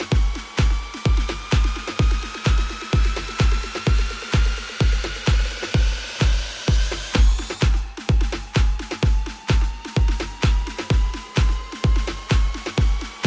โปรดติดต่อ